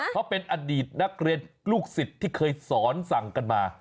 เขาเป็นอดีตนักเรียนลูกศิษย์ที่เคยสอนสั่งกันมา